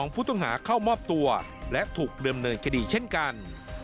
ผู้ต้องหาเข้ามอบตัวและถูกดำเนินคดีเช่นกัน